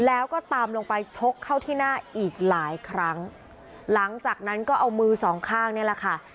แล้วก็ตามลงไปชกเข้าที่หน้าอีกหลายครั้งหลังจากนั้นก็เอามือสองข้างนี่แหละค่ะ